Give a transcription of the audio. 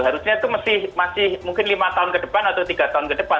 harusnya itu masih mungkin lima tahun ke depan atau tiga tahun ke depan